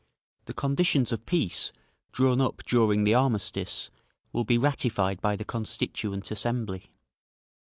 The conditions of peace, drawn up during the armistice, will be ratified by the Constituent Assembly.